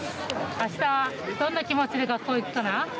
あしたどんな気持ちで学校行くかな。